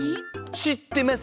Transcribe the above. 知ってます。